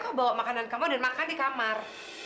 oh bawa makanan kamu dan makan di kamar